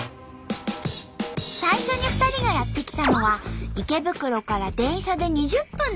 最初に２人がやって来たのは池袋から電車で２０分の西川口。